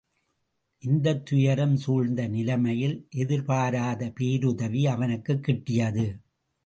இந்தக் துயரம் சூழ்ந்த நிலைமையில் எதிர்பாராத பேருதவி அவனுக்குக் கிட்டியது.